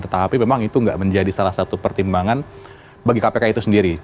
tetapi memang itu tidak menjadi salah satu pertimbangan bagi kpk itu sendiri